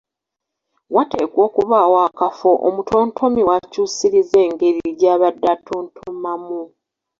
Wateekwa okubaawo akafo omutontomi w’akyusiriza engeri gy’abadde atontomamu,